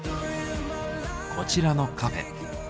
こちらのカフェ。